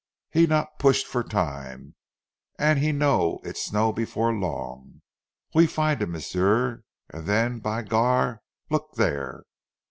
"He not pushed for time, an' he know it snow b'fore long. We find heem, m'sieu, an' den By gar! Look dere!"